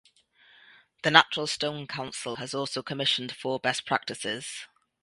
The Natural Stone Council has also commissioned four Best Practices.